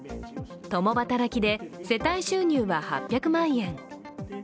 共働きで世帯収入は８００万円。